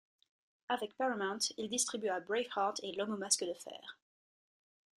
Avec Paramount, il distribua Braveheart et L'homme au masque de fer.